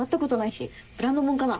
ブランド物かな？